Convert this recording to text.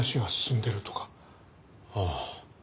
ああ。